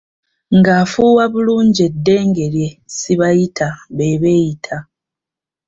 Ng'afuuwa bulungi eddenge lye Sibayita, beeyita bokka.